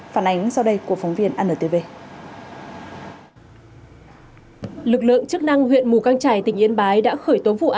phản ánh sau đây của phóng viên anntv